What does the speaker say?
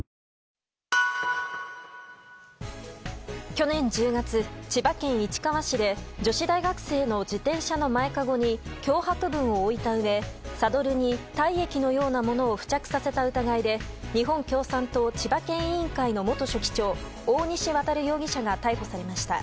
去年１０月、千葉県市川市で女子大学生の自転車の前かごに脅迫文を置いたうえサドルに体液のようなものを付着させた疑いで日本共産党千葉県委員会の元書記長大西航容疑者が逮捕されました。